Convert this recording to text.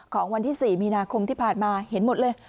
ของวันที่๔มีนาคมที่ผ่านมาเห็นหมดเลย